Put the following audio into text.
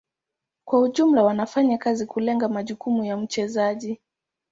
Kwa ujumla wanafanya kazi kulenga majukumu ya mchezaji.